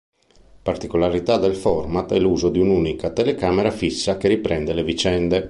Particolarità del format è l'uso di un'unica telecamera fissa che riprende le vicende.